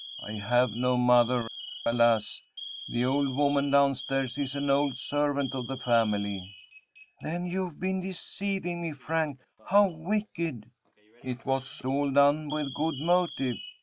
"I have no mother, alas! The old woman down stairs is an old servant of the family." "Then you've been deceiving me, Frank how wicked!" "It was all done with a good motive.